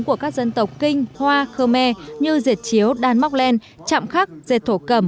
của các dân tộc kinh hoa khơ me như dệt chiếu đan móc len chạm khắc dệt thổ cầm